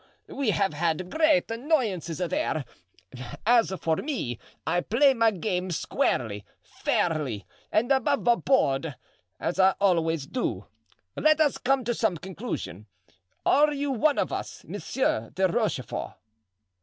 We have had great annoyances there. As for me, I play my game squarely, fairly, and above board, as I always do. Let us come to some conclusion. Are you one of us, Monsieur de Rochefort?"